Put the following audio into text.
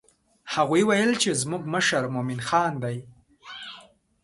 هغوی وویل چې زموږ مشر مومن خان دی.